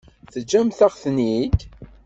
Teǧǧamt-aɣ-ten-id?